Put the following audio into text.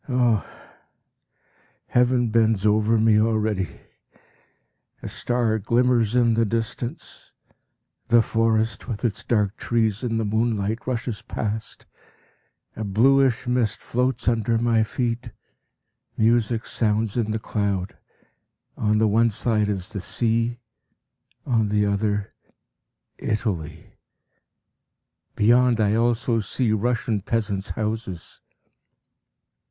Ah! the heaven bends over me already; a star glimmers in the distance; the forest with its dark trees in the moonlight rushes past; a bluish mist floats under my feet; music sounds in the cloud; on the one side is the sea, on the other, Italy; beyond I also see Russian peasants' houses.